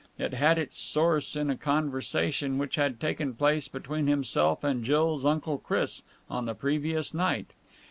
It had its source in a conversation which had taken place between himself and Jill's Uncle Chris on the previous night.